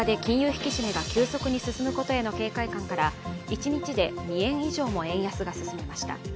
引き締めが急速に進むことへの警戒感から一日で２円以上も円安が進みました